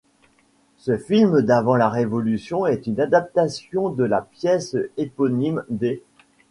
Ce film d'avant la Révolution est une adaptatioon de la pièce éponyme d'.